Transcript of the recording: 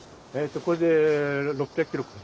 これで６００キロ。